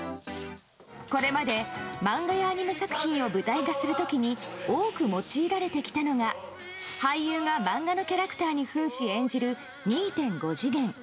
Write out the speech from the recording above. これまで漫画やアニメ作品を舞台化する時に多く用いられてきたのが俳優が漫画のキャラクターに扮し演じる２．５次元。